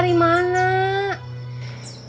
arik ematnya dari mana